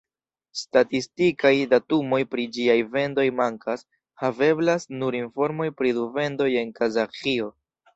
Statistikaj datumoj pri ĝiaj vendoj mankas, haveblas nur informoj pri du vendoj en Kazaĥio.